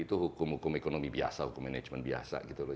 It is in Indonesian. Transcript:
itu hukum hukum ekonomi biasa hukum manajemen biasa gitu loh